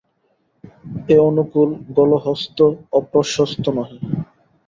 এ অনুকূল গলহস্ত অপ্রশস্ত নহে।